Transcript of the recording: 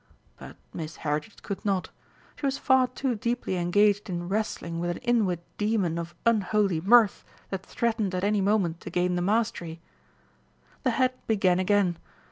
But Miss Heritage could not she was far too deeply engaged in wrestling with an inward demon of unholy mirth that threatened at any moment to gain the mastery. The head began again.